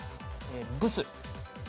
『ブス』。